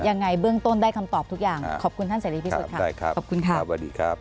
ยังไงเบื้องต้นได้คำตอบทุกอย่างขอบคุณท่านเศรษฐีพิสูจน์ขอบคุณค่ะ